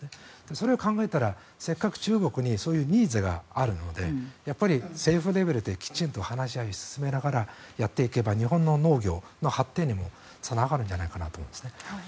それを考えたらせっかく中国にそういうニーズがあるので政府レベルできちんと話し合いを進めながらやっていけば日本の農業の発展にもつながるんじゃないかなと思うんです。